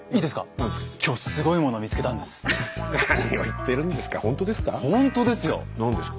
何を言ってるんですか。